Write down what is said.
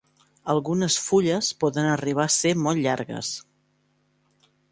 Algunes fulles poden arribar a ser molt llargues.